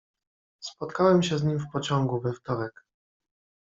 "Spotkałem się z nim w pociągu we wtorek."